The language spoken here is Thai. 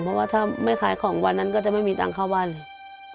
เพราะว่าถ้าไม่ขายของวันนั้นก็จะไม่มีตังค์เข้าบ้านเลย